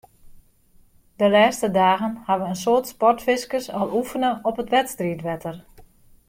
De lêste dagen hawwe in soad sportfiskers al oefene op it wedstriidwetter.